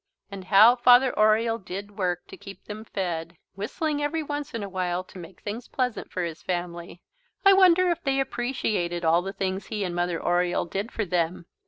And how Father Oriole did work to keep them fed, whistling every once in a while to make things pleasant for his family! I wonder if they appreciated all the things he and Mother Oriole did for them.